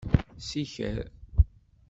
Siker.